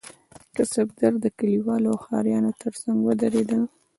کسبګر د کلیوالو او ښاریانو ترڅنګ ودریدل.